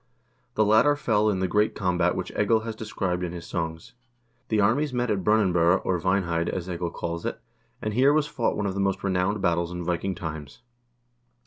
1 The latter fell in the great combat which Egil has described in his songs. The armies met at Brunan burh, or Vinheid, as Egil calls it, and here was fought one of the most renowned battles in Viking times.